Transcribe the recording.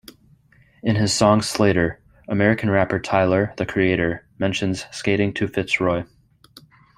In his song Slater, American rapper Tyler, The Creator mentions skating to Fitzroy.